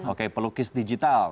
oke pelukis digital